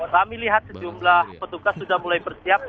kami lihat sejumlah petugas sudah mulai bersiap